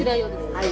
はい。